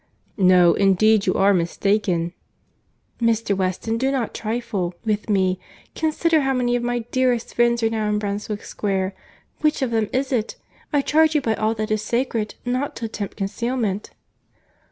"No, indeed you are mistaken."— "Mr. Weston do not trifle with me.—Consider how many of my dearest friends are now in Brunswick Square. Which of them is it?—I charge you by all that is sacred, not to attempt concealment."